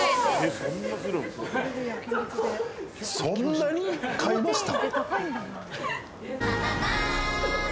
そんなに買いました？